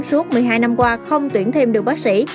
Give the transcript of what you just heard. suốt một mươi hai năm qua không tuyển thêm được bác sĩ